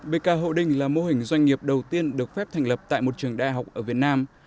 bk hậu đinh là mô hình doanh nghiệp đầu tiên được phép thành lập tại một trường đại học ở việt nam